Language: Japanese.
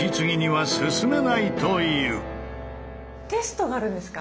テストがあるんですか？